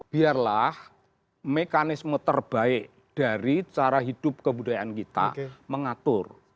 biarlah mekanisme terbaik dari cara hidup kebudayaan kita mengatur